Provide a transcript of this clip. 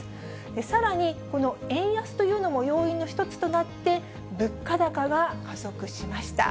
さらに、この円安というのも要因の一つとなって、物価高が加速しました。